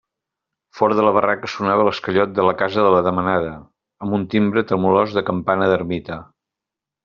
Fora de la barraca sonava l'esquellot de la casa de la Demanada, amb un timbre tremolós de campana d'ermita.